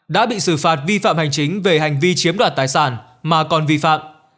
đã bị xử phạt vi phạm hành chính về hành vi chiếm đoạt tài sản mà còn vi phạm